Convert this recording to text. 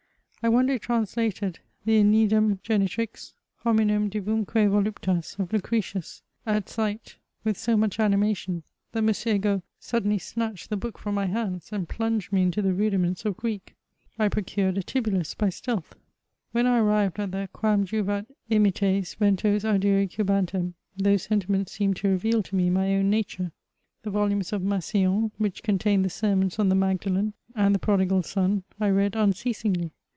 I one day translated the '^ (Eneadum genitHs, hnminum divumque voluptas" of Lucretius, at sight, with so much animation, that M. Egault suddenly snatched the book from my hands, and plunged me into the rudiments of Greek. I procured a Tibullus by stealth. When I arrived at the *' Quam juvat immites ventos audire cubantem " those sentiments seemed to reveal to me my own nature. The volumes of Massillon, which contained the sermons on the Magdalen and the Pro digal Son, I read unceasingly.